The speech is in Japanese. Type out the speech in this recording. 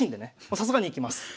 さすがにいきます。